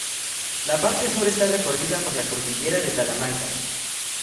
La parte sur está recorrida por la Cordillera de Talamanca.